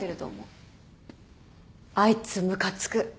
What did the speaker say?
あいつムカつく。